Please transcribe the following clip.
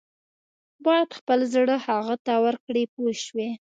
باید خپل زړه هغه ته ورکړې پوه شوې!.